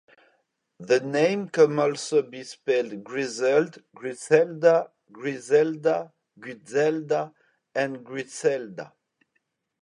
The name can also be spelled "Griselde", "Grisselda", "Grieselda", "Grizelda" and "Gricelda".